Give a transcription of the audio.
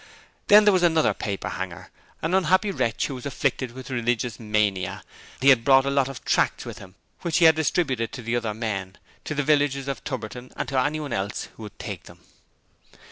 Then there was another paperhanger an unhappy wretch who was afflicted with religious mania; he had brought a lot of tracts with him which he had distributed to the other men, to the villagers of Tubberton and to anybody else who would take them.